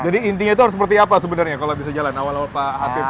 jadi intinya itu harus seperti apa sebenarnya kalau bisa jalan awal awal pak hatip